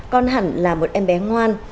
con hẳn là một em bé ngoan